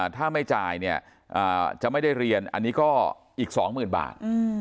ถ้าไม่จ่ายเนี่ยจะไม่ได้เรียนอันนี้ก็อีก๒๐๐๐บาท